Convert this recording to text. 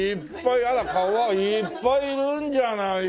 あらいっぱいいるんじゃないの。